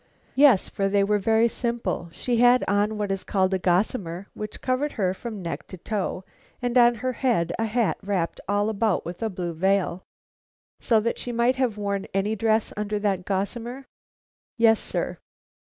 "Yes, for they were very simple. She had on what is called a gossamer, which covered her from neck to toe, and on her head a hat wrapped all about with a blue veil." "So that she might have worn any dress under that gossamer?" "Yes, sir."